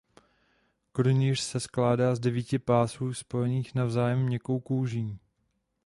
Krunýř se skládá z devíti pásů spojených navzájem měkkou kůží.